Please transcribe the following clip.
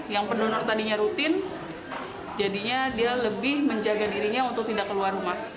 yang pendonor tadinya rutin jadinya dia lebih menjaga dirinya untuk tidak keluar rumah